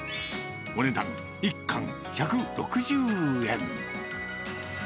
お値段、１貫１６０円。